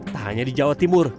tak hanya di jawa timur